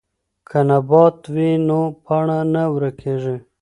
که نبات وي نو پاڼه نه ورکیږي.